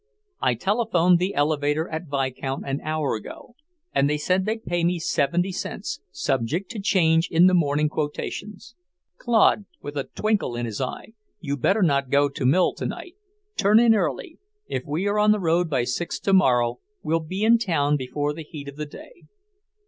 I telephoned the elevator at Vicount an hour ago, and they said they'd pay me seventy cents, subject to change in the morning quotations. Claude," with a twinkle in his eye, "you'd better not go to mill tonight. Turn in early. If we are on the road by six tomorrow, we'll be in town before the heat of the day."